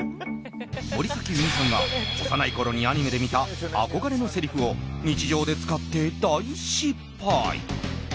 森崎ウィンさんは幼いころにアニメで見た憧れのせりふを日常で使って大失敗。